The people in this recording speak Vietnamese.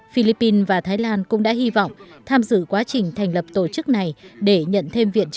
philippines và thái lan cũng đã hy vọng tham dự quá trình thành lập tổ chức này để nhận thêm viện trợ